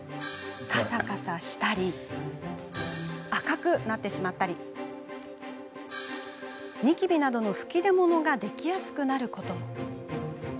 カサカサしたり、赤くなったりニキビなどの吹き出物ができやすくなることも。